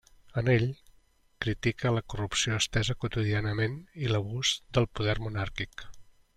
En ell, critica la corrupció estesa quotidianament i l'abús del poder monàrquic.